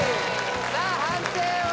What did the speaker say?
さあ判定は？